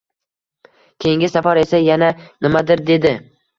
Keyingi safar esa yana nimadir dedi.